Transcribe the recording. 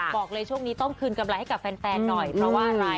บอกเลยช่วงนี้ต้องคืนกำไรให้กับแฟนหน่อยเพราะว่าอะไร